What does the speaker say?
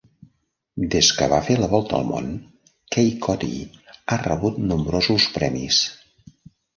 Des que va fer la volta al món, Kay Cottee ha rebut nombrosos premis.